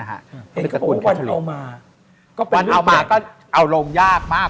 เหกะปูวันเอามา